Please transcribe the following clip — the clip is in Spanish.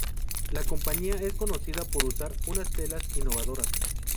La compañia es conocida por usar unas telas innovadoras.